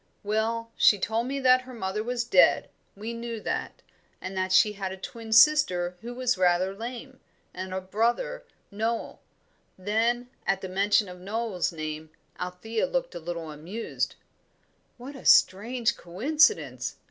"Well, she told me that her mother was dead we knew that and that she had a twin sister who was rather lame, and a brother Noel." Then, at the mention of Noel's name, Althea looked a little amused. "What a strange coincidence!"